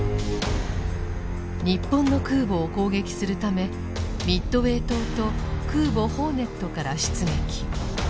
日本の空母を攻撃するためミッドウェー島と空母「ホーネット」から出撃。